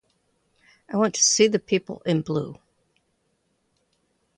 I want to see the people in blue.